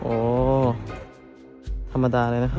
โอ้โหธรรมดาเลยนะฮะ